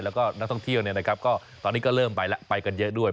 แล้วก็นักท่องเที่ยวก็ตอนนี้ก็เริ่มไปแล้วไปกันเยอะด้วย